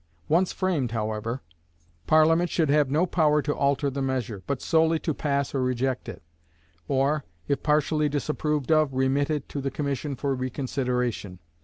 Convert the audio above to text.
Once framed, however, Parliament should have no power to alter the measure, but solely to pass or reject it; or, if partially disapproved of, remit it to the commission for reconsideration.